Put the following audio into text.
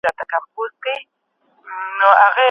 د ارغنداب سیند د وطن شتمني ده.